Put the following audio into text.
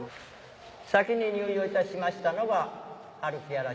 先に入場いたしましたのが。